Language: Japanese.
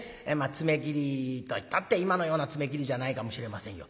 爪切りといったって今のような爪切りじゃないかもしれませんよ。